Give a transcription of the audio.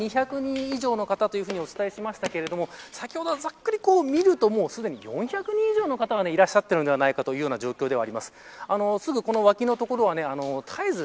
午前８時すぎの段階では２００人以上の方というふうにお伝えしましたが先ほどざっくり見るともうすでに４００人以上の方がいらっしゃっているのではないかという状況です。